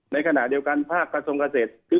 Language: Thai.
ในขณะเดียวกันภาคกระทรงเกษตร